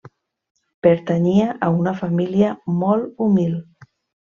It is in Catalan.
Pertanyia a una família molt humil.